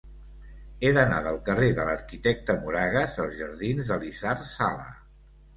He d'anar del carrer de l'Arquitecte Moragas als jardins d'Elisard Sala.